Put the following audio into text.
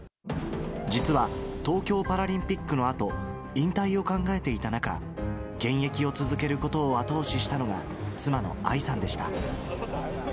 実は東京パラリンピックのあと、引退を考えていた中、現役を続けることを後押ししたのが、妻の愛さんでした。